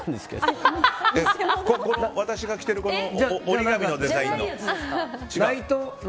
私が着てる折り紙のデザインの？